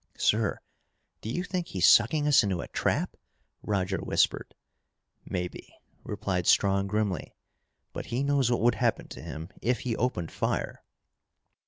"Sir, do you think he's sucking us into a trap?" Roger whispered. "Maybe," replied Strong grimly. "But he knows what would happen to him if he opened fire."